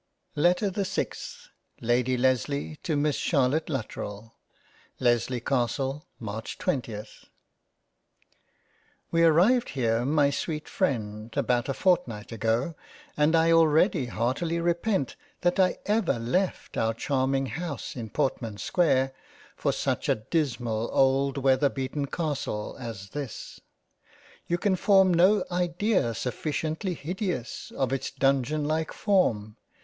61 £ JANE AUSTEN £ LETTER the SIXTH LADY LESLEY to Miss CHARLOTTE LUTTERELL Lesley Castle March 20th WE arrived here my sweet Freind about a fortnight ago, and I already heartily repent that I ever left our charming House in Portman square for such a dismal old weather beaten Castle as this. You can form no idea sufficiently hideous, of its dungeon like form.